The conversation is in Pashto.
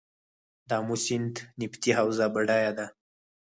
د امو سیند نفتي حوزه بډایه ده؟